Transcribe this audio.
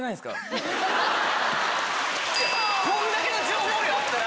こんだけの情報量あったら。